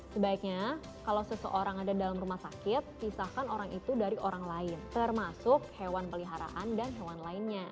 sebaiknya kalau seseorang ada dalam rumah sakit pisahkan orang itu dari orang lain termasuk hewan peliharaan dan hewan lainnya